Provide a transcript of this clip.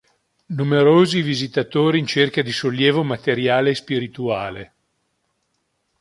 Numerosi i visitatori in cerca di sollievo materiale e spirituale.